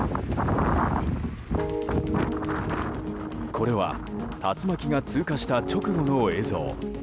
これは竜巻が通過した直後の映像。